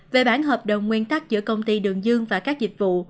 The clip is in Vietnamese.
về bản hợp đồng nguyên tắc giữa công ty đường dương và các dịch vụ